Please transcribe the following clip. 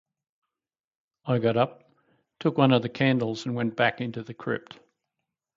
I got up, took one of the candles, and went back into the crypt.